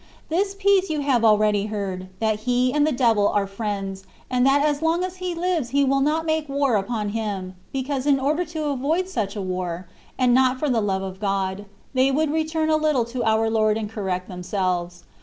This peace you have already heard, that he and the devil are friends, and that as long as he lives he will not make war upon him, because in order to avoid such a war, and not for the love of God, they would return a little to our Lord and correct themselves.